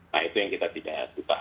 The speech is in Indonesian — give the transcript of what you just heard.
nah itu yang kita tidak suka